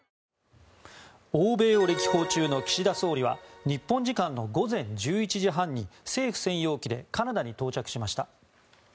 欧米を歴訪中の岸田総理は日本時間の午前１１時半に政府専用機でカナダに到着しました。